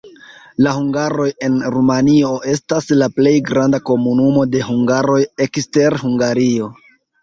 La hungaroj en Rumanio estas la plej granda komunumo de hungaroj ekster Hungario.